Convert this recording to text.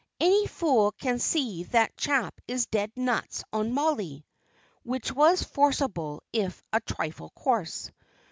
"Any fool can see that chap is dead nuts on Mollie" which was forcible if a trifle coarse.